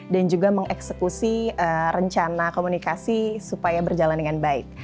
dan juga mengeksekusi rencana komunikasi supaya berjalan dengan baik